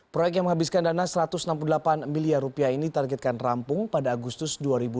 proyek yang menghabiskan dana rp satu ratus enam puluh delapan miliar rupiah ini targetkan rampung pada agustus dua ribu dua puluh